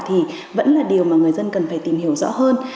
thì vẫn là điều mà người dân cần phải tìm hiểu rõ hơn